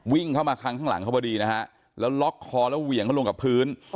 วิ่งเข้ามาคังข้างหลังเขาพอดีนะฮะแล้วล็อกคอแล้วเหวี่ยงเขาลงกับพื้น